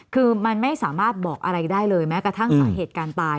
คือมันไม่สามารถบอกอะไรได้เลยแม้กระทั่งสาเหตุการณ์ตาย